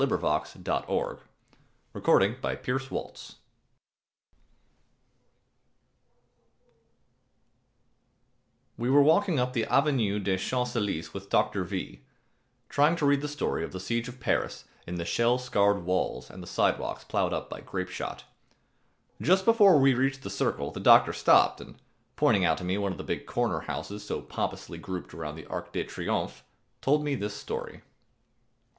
ALPHONSE DAUDET The Siege of Berlin[266 1] We were walking up the Avenue des Champs Élysées with Dr. V , trying to read the story of the siege of Paris in the shell scarred walls and the sidewalks plowed up by grape shot. Just before we reached the Circle, the doctor stopped and, pointing out to me one of the big corner houses so pompously grouped around the Arc de Triomphe,[266 2] told me this story.